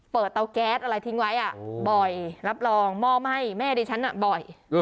เปิดเตาแก๊สอะไรทิ้งไว้อ่ะบ่อยรับรองหม้อไหม้แม่ดิฉันน่ะบ่อย